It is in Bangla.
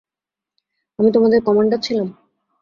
আমি তোমাদের কমান্ডার ছিলাম?